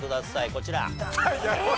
こちら。